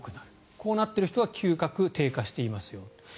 こうなっている人は嗅覚が低下していますよ。